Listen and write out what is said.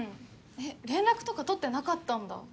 連絡とか取ってなかったんだ。